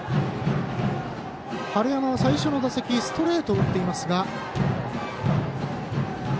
春山、最初の打席はストレートを打っています。